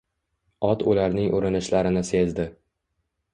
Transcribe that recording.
Ot ularning urinishlarini sezdi